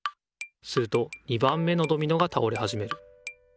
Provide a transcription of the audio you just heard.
すると２番目のドミノが倒れはじめる。